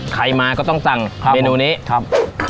ใครมาก็ต้องสั่งเมนูนี้ครับ